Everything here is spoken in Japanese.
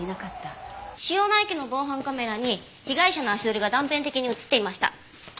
主要な駅の防犯カメラに被害者の足取りが断片的に映っていました。